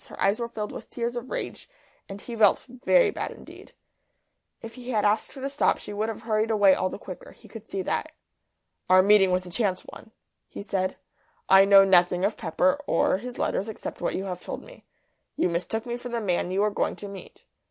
Her eyes were filled with tears of rage, and he felt very bad indeed. If he had asked her to stop she would have hurried away all the quicker; he could see that. "Our meeting was a chance one," he said. "I know nothing of Pepper or his letters except what you have told me. You mistook me for the man you were going to meet.